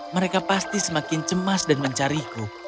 mereka pasti semakin cemas dan mencariku